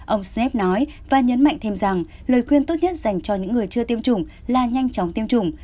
ông snap nói và nhấn mạnh thêm rằng lời khuyên tốt nhất dành cho những người chưa tiêm chủng là nhanh chóng tiêm chủng